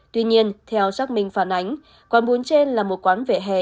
tuy nhiên theo xác minh phản ánh quán bún trên là một quán vỉa hè